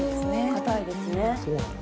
堅いですね。